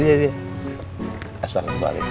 iya iya assalamualaikum